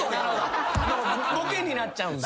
ボケになっちゃうんだ。